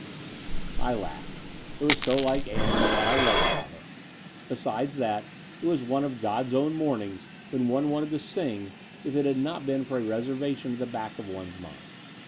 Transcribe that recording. I laughed. It was so like Ann and what I loved about her. Besides that, it was one of God's own mornings, when one wanted to sing, if it had not been for a reservation at the back of one's mind.